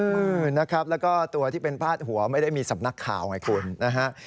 มือนะครับแล้วก็ตัวที่เป็นพาดหัวไม่ได้มีสำนักข่าวไงคุณนะฮะ